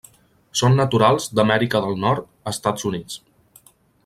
Són naturals d'Amèrica del Nord, Estats Units.